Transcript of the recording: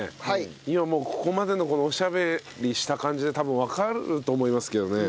今もうここまでのこのおしゃべりした感じで多分わかると思いますけどね。